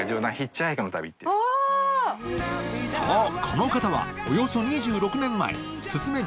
この方はおよそ２６年前進め！